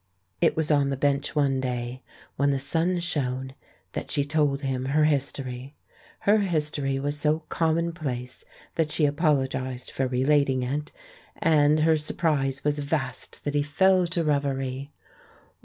It was on the bench one day when the sun shone that she told him her history. Her history was so common place that she apologised for relating it, and her surprise was vast that he fell to reverie.